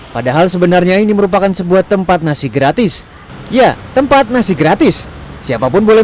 padahal sebenarnya ini merupakan sebuah tempat nasi gratis ya tempat nasi gratis siapapun boleh